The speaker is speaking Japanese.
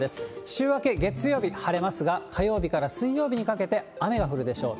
週明け、月曜日晴れますが、火曜日から水曜日にかけて雨が降るでしょう。